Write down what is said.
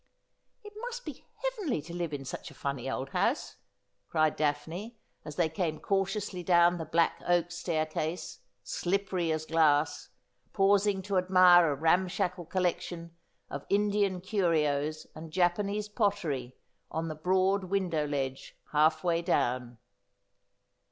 ' It must be heavenly to live in such a funny old house,' cried Daphne, as they came cautiously down the black oak staircase, slippery as glass, pausing to admire a ramshackle collection of Indian curios and Japanese pottery on the broad window ledge halfway down.